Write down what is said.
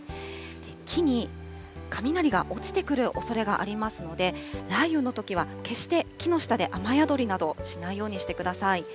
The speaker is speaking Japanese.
木に雷が落ちてくるおそれがありますので、雷雨のときは、決して木の下で雨宿りなどしないようにしてください。